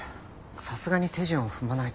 さすがに手順を踏まないと。